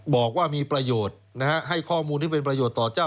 บอกว่ามีประโยชน์นะฮะให้ข้อมูลที่เป็นประโยชน์ต่อเจ้า